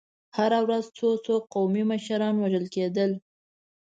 هره ورځ څو څو قومي مشران وژل کېدل.